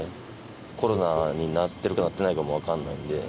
コロナになってるか、なってないかも分かんないんで。